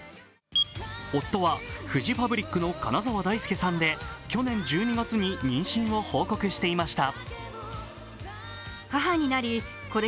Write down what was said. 夫はフジファブリックの金澤ダイスケさんで去年１２月に妊娠を報告していました。